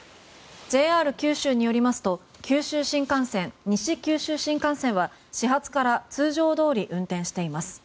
ＪＲ九州によりますと九州新幹線、西九州新幹線は始発から通常どおり運転しています。